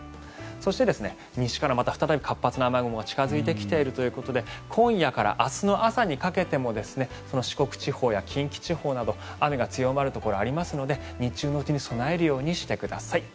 そして、西からまた再び活発な雨雲が近付いてきているということで今夜から明日の朝にかけても四国地方や近畿地方など雨が強まるところがありますので日中のうちに備えるようにしてください。